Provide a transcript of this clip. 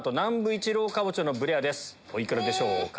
お幾らでしょうか？